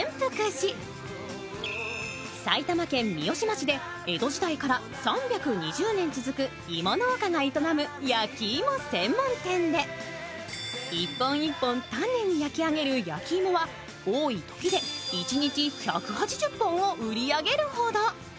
埼玉県三芳町で江戸時代から３２０年続く芋農家が営む焼き芋専門店で、一本一本丹念に焼き上げるお芋は多いときで１日１８０本を売り上げるほど。